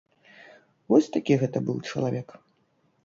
Вось такі гэта быў чалавек.